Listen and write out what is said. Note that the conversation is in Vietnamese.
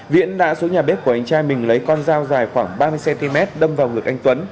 viễn đã xuống nhà bếp của anh trai mình lấy con dao dài khoảng ba mươi cm đâm vào ngực anh tuấn